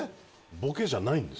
ボケじゃないんです。